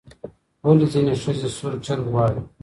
ولې ځینې ښځې سور چرګ غواړي؟